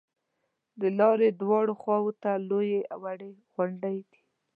د لارې دواړو خواو ته لویې او وړې غونډې دي.